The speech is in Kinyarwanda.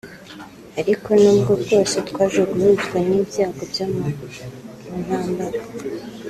ariko n’ubwo bwose twaje guhuzwa n’ibyago byo mu ntambara